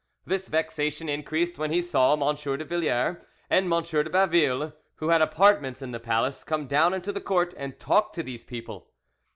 This vexation increased when he saw M. de Villars and M. de Baville, who had apartments in the palace, come down into the court and talk to these people.